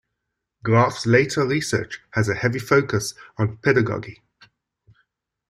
Graff's later research has a heavy focus on pedagogy.